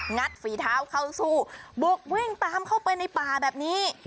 ัดฝีเท้าเข้าสู้บุกวิ่งตามเข้าไปในป่าแบบนี้